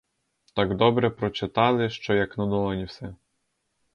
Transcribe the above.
Так добре прочитали, що як на долоні все.